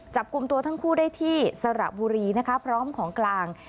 จับกลุ่มตัวทั้งคู่ได้ที่สระบุรีนะคะพร้อมของกลาง